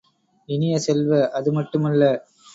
இனிய செல்வ, அது மட்டுமல்ல!